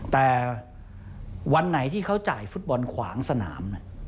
แต่วันไหนที่เขาจ่ายฟุตบอลขวางสนาม